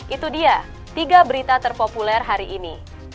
itu dia tiga berita terpopuler hari ini